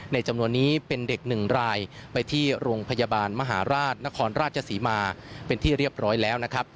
จำนวนนี้เป็นเด็ก๑รายไปที่โรงพยาบาลมหาราชนครราชศรีมาเป็นที่เรียบร้อยแล้วนะครับ